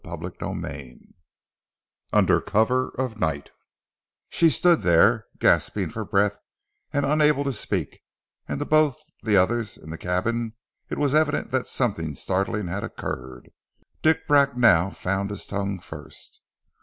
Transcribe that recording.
CHAPTER XXI UNDER COVER OF NIGHT SHE STOOD there gasping for breath, and unable to speak; and to both the others in the cabin it was evident that something startling had occurred. Dick Bracknell found his tongue first.